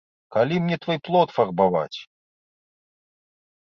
Калі мне твой плот фарбаваць!